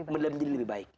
menjadi lebih baik